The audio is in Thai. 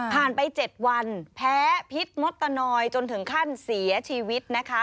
ไป๗วันแพ้พิษมดตะนอยจนถึงขั้นเสียชีวิตนะคะ